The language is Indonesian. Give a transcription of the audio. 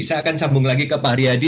saya akan sambung lagi ke pak haryadi